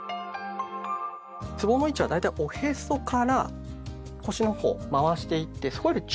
つぼの位置は大体おへそから腰のほう回していってそこよりちょっと上辺り。